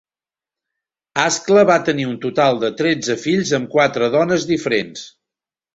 Ascla va tenir un total de tretze fills amb quatre dones diferents.